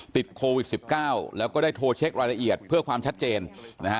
ติดโควิด๑๙แล้วก็ได้โทรเช็ครายละเอียดเพื่อความชัดเจนนะฮะ